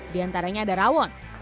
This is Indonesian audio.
di antaranya ada rawon